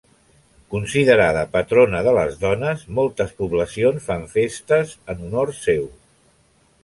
Considerada patrona de les dones, moltes poblacions fan festes en honor seu.